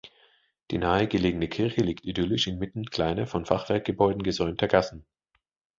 Die nahe gelegene Kirche liegt idyllisch inmitten kleiner von Fachwerkgebäuden gesäumter Gassen.